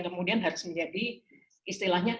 kemudian harus menjadi istilahnya